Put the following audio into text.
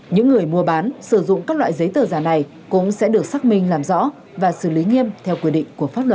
những người mua bán sử dụng các loại giấy tờ giả này cũng sẽ được xác minh làm rõ và xử lý nghiêm theo quy định của pháp luật